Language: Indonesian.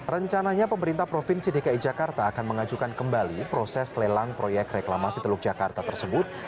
rencananya pemerintah provinsi dki jakarta akan mengajukan kembali proses lelang proyek reklamasi teluk jakarta tersebut